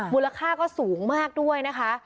มูลค่าก็สูงมากด้วยนะคะ